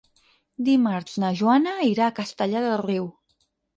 Dimarts na Joana irà a Castellar del Riu.